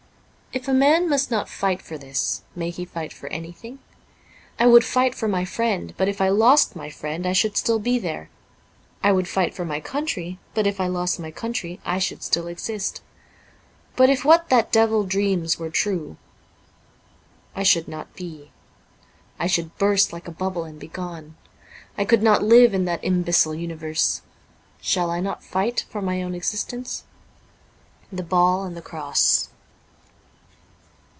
If a man must not fight for this, may he fight for anything ? I would fight for my friend, but if I lost my friend, I should still be there. I would fight for my country, but if I lost my country, I should still exist. But if what that devil dreams were true, I should not be — I should burst like a bubble and be gone ; I could not live in that imbecile universe. Shall I not fight for my own existence ?'' The Ball and the Cross.''